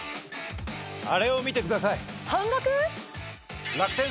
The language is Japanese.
あれを見てください！